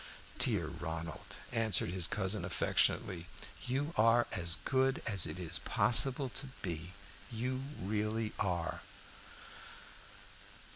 "Dear Ronald," answered his cousin affectionately, "you are as good as it is possible to be you really are."